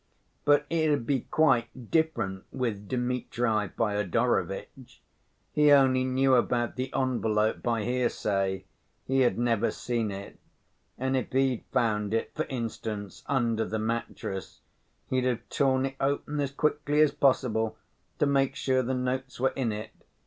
But it'd be quite different with Dmitri Fyodorovitch. He only knew about the envelope by hearsay; he had never seen it, and if he'd found it, for instance, under the mattress, he'd have torn it open as quickly as possible to make sure the notes were in it.